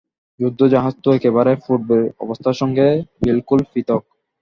যুদ্ধ-জাহাজ তো একেবারে পূর্বের অবস্থার সঙ্গে বিলকুল পৃথক্।